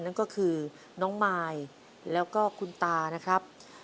นั่นก็คือน้องมายแล้วก็คุณตานะครับ